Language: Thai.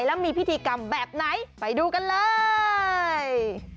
แล้วมีพิธีกรรมแบบไหนไปดูกันเลย